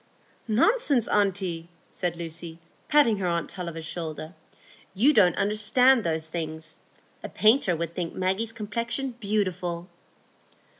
"Nonsense, aunty!" said Lucy, patting her aunt Tulliver's shoulder, "you don't understand those things. A painter would think Maggie's complexion beautiful."